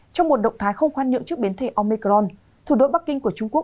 trong một động thái không khoan nhượng trước biến thể omicron thủ đô bắc kinh của trung quốc